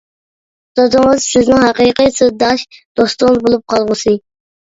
دادىڭىز سىزنىڭ ھەقىقىي سىرداش دوستىڭىز بولۇپ قالغۇسى!